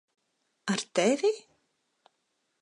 Ar tevi?